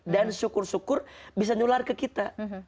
dan syukur syukur bisa nyular ke kita